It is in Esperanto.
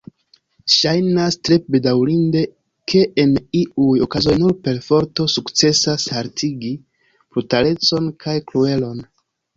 Ŝajnas tre bedaŭrinde, ke en iuj okazoj nur perforto sukcesas haltigi brutalecon kaj kruelon.